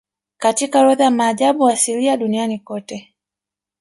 Katika orodha ya maajabu asilia duniani kote